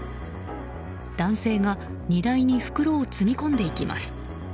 男性が荷台に袋を積み込んでいきます。